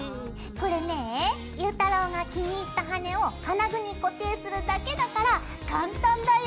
これねえゆうたろうが気に入った羽根を金具に固定するだけだから簡単だよ！